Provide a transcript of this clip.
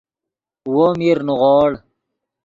وو میر نیغوڑ